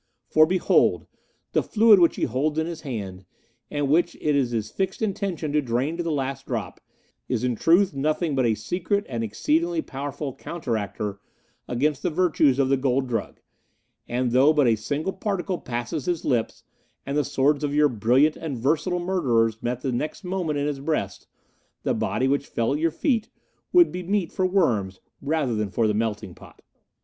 For, behold! the fluid which he holds in his hand, and which it is his fixed intention to drain to the last drop, is in truth nothing but a secret and exceedingly powerful counteractor against the virtues of the gold drug; and though but a single particle passed his lips, and the swords of your brilliant and versatile murderers met the next moment in his breast, the body which fell at your feet would be meet for worms rather than for the melting pot."